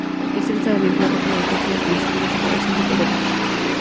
El tercero estaba vinculado con la vigencia del principio de separación de poderes.